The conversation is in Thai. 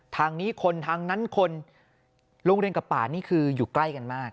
ทางนี้คนทางนั้นคนโรงเรียนกับป่านี่คืออยู่ใกล้กันมาก